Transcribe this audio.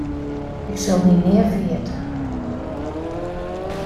Ik sil dy nea ferjitte.